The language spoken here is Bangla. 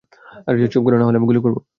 চুপ করো, নাহলে আমি গুলি করবো।